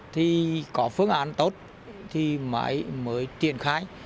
thì có phương án tốt thì mới triển khai